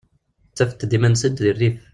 Ttafent-d iman-nsent deg rrif.